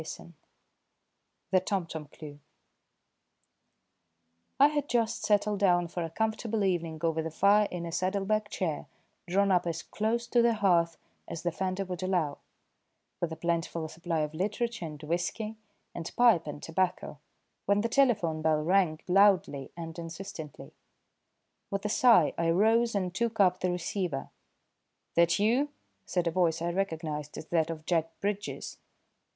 III THE TOMTOM CLUE I had just settled down for a comfortable evening over the fire in a saddle bag chair drawn up as close to the hearth as the fender would allow, with a plentiful supply of literature and whisky, and pipe and tobacco, when the telephone bell rang loudly and insistently. With a sigh I rose and took up the receiver. "That you?" said a voice I recognised as that of Jack Bridges.